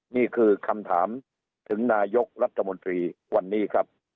นี่คือคำถามถึงนายกรัฐมนตรีวันนี้ครับ